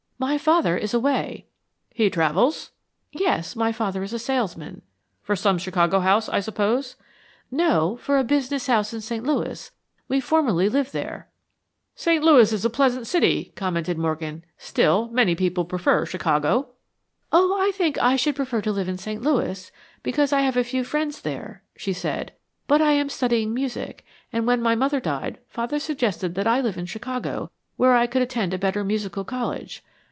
"My father is away." "He travels?" "Yes; my father is a salesman." "For some Chicago house, I suppose." "No; for a business house in St. Louis. We formerly lived there." "St. Louis is a pleasant city," commented Morgan. "Still, many people prefer Chicago." "Oh, I think I should prefer to live in St. Louis, because I have a few friends there," she said. "But I am studying music, and when my mother died, father suggested that I live in Chicago where I could attend a better musical college.